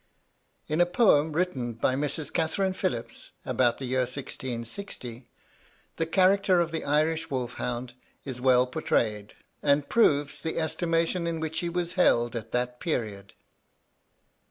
In a poem, written by Mrs. Catherine Philips, about the year 1660, the character of the Irish wolf hound is well portrayed, and proves the estimation in which he was held at that period.